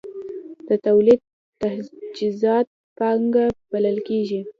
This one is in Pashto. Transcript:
د تولید تجهیزات پانګه بلل کېږي.